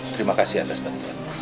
terima kasih atas bantuan